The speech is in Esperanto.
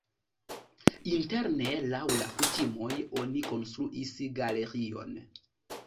Interne laŭ la kutimoj oni konstruis galerion.